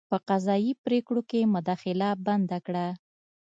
په قضايي پرېکړو کې مداخله بنده کړه.